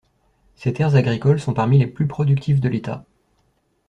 Ses terres agricoles sont parmi les plus productives de l'État.